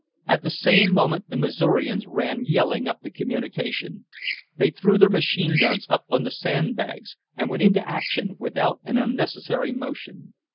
At the same moment the Missourians ran yelling up the communication. They threw their machine guns up on the sand bags and went into action without an unnecessary motion.